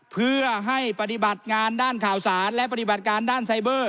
เพื่อให้ปฏิบัติงานด้านข่าวสารและปฏิบัติการด้านไซเบอร์